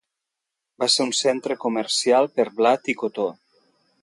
Va ser un centre comercial per blat i cotó.